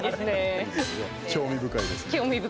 興味深いですね。